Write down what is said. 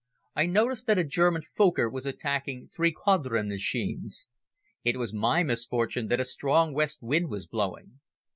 I noticed that a German Fokker was attacking three Caudron machines. It was my misfortune that a strong west wind was blowing.